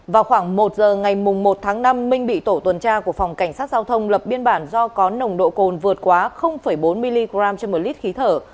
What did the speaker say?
vào khoảng một giờ ngày một tháng năm minh bị tổ tuần tra của phòng cảnh sát giao thông lập biên bản do có nồng độ cồn vượt quá bốn mg trên một lít khí thở